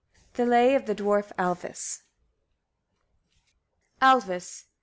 THE LAY OF THE DWARF ALVIS. Alvis.